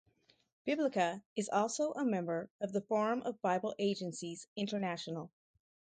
Biblica is also a member of the Forum of Bible Agencies International.